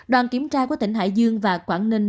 đoàn kiểm tra của tỉnh hải dương và quảng ninh